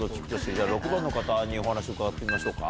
じゃあ６番の方にお話伺ってみましょうか。